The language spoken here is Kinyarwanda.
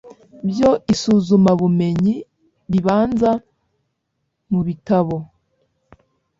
by Isuzumabumenyi ribanza mu bitabo